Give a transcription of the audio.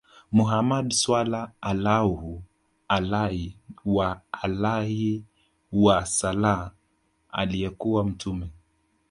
Muhammad Swalla Allaahu alayhi wa aalihi wa sallam aliyekuwa mtume